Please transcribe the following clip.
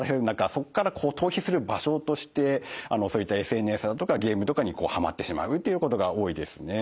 そこから逃避する場所としてそういったＳＮＳだとかゲームとかにはまってしまうっていうことが多いですね。